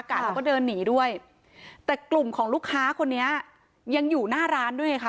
แล้วก็เดินหนีด้วยแต่กลุ่มของลูกค้าคนนี้ยังอยู่หน้าร้านด้วยไงคะ